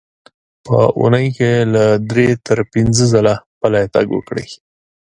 په اوونۍ کې له درې تر پنځه ځله پلی تګ وکړئ.